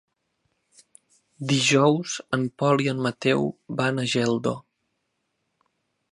Dijous en Pol i en Mateu van a Geldo.